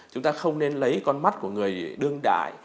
chúng ta không nên lấy con mắt của người đương đại